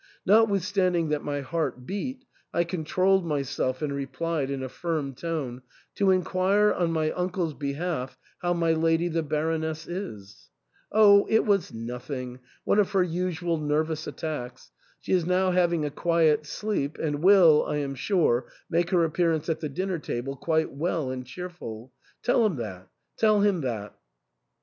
Notwithstanding that my heart beat, I controlled myself and replied in a firm tone, To inquire on my uncle's behalf how my lady, the Baroness, is ?"" Oh I it was nothing— one of her usual nervous attacks. She is now having a quiet sleep, and will, I am sure, make her apearance at the dinner table quite well and cheerful. Tell him that — tell him that."